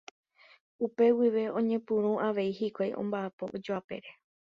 Upe guive oñepyrũ avei hikuái omba'apo ojoapére.